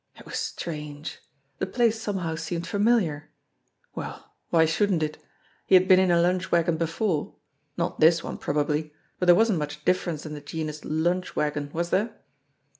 It was strange! The place somehow seemed familiar. Well, why shouldn't it? He had been in a lunch wagon before. Not this one probably, but there wasn't much difference in the genus lunch wagon, was there?